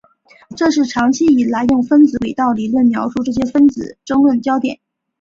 这是长期以来用分子轨道理论描述这些分子的争论焦点。